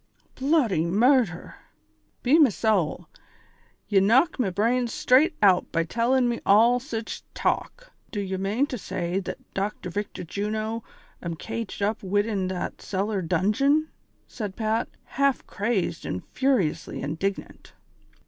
" Bloody murdlier ! be me sowl, ye knock me branes strait out by tellin' me all sich talk ! Do ye mane to say that Dr. Victor Juno am caged up widin that cellar dungon V " said Pat, half crazed and furiously indignant.